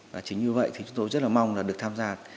và chính như vậy chúng tôi rất mong được tham gia